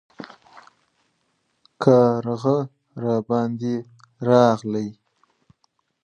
کارغه راباندې راغی